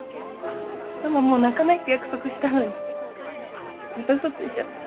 ママもう泣かないって約束したのにまた嘘ついちゃった。